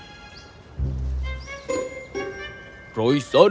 tuan sowerberry mengambil bahan bahan